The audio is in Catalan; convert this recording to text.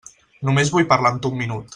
Només vull parlar amb tu un minut.